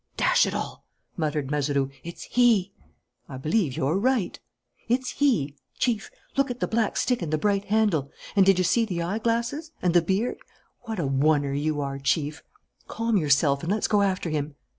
"Dash it all," muttered Mazeroux, "it's he!" "I believe you're right." "It's he. Chief. Look at the black stick and the bright handle. And did you see the eyeglasses and the beard? What a oner you are, Chief!" "Calm yourself and let's go after him."